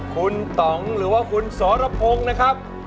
คุณต่องหรือว่าคุณสรพงศ์นะครับ